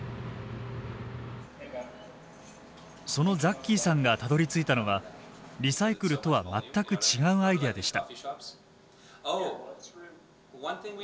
そのザッキーさんがたどりついたのはリサイクルとは全く違うアイデアでした。